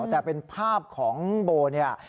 แต่เป็นภาพของโบเนี่ย